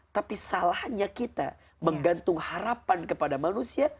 tapi salahnya kita menggantung harapan kepada manusia